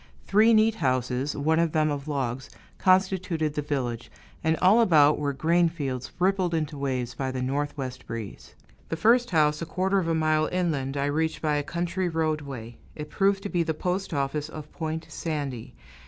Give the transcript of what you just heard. Three neat houses, one of them of logs, constituted the village, and all about were grain fields rippled into waves by the northwest breeze. The first house, a quarter of a mile inland, I reached by a country roadway; it proved to be the postoffice of Point Sandy.